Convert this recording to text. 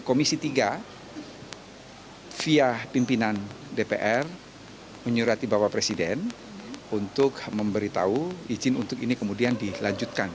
komisi tiga via pimpinan dpr menyurati bapak presiden untuk memberitahu izin untuk ini kemudian dilanjutkan